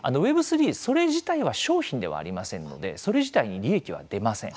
Ｗｅｂ３、それ自体は商品ではありませんのでそれ自体に利益は出ません。